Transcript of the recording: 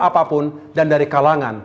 apapun dan dari kalangan